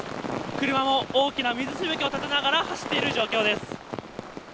車も大きな水しぶきを立てながら走っている状況です。